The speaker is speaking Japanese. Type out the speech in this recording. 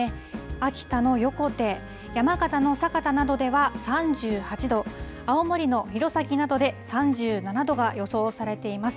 秋田の横手、山形の酒田などでは、３８度、青森の弘前などで３７度が予想されています。